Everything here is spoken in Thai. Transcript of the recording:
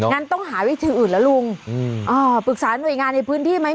งั้นต้องหาวิธีอื่นแล้วลุงปรึกษาหน่วยงานในพื้นที่ไหม